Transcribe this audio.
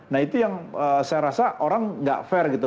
nah itu yang saya rasa orang nggak fair gitu